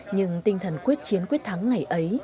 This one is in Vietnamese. nhưng tinh thần quyết chiến quyết thắng ngày ấy